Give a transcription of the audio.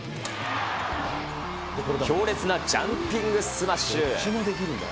強烈なジャンピングスマッシュ。